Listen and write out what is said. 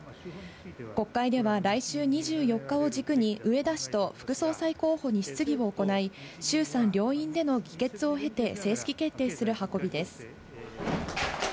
国会では来週２４日を軸に、植田氏と副総裁候補に質疑を行い、衆参両院での議決を経て正式決定する運びです。